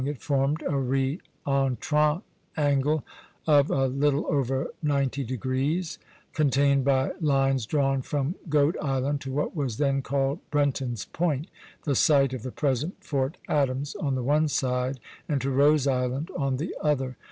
It formed a re entrant angle of a little over ninety degrees, contained by lines drawn from Goat Island to what was then called Brenton's Point, the site of the present Fort Adams on the one side, and to Rose Island on the other.